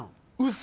嘘！？